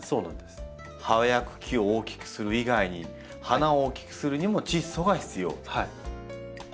葉や茎を大きくする以外に花を大きくするにもチッ素が必要と。